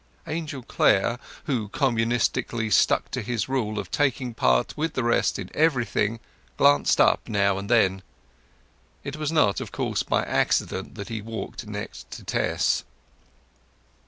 Angel Clare, who communistically stuck to his rule of taking part with the rest in everything, glanced up now and then. It was not, of course, by accident that he walked next to Tess.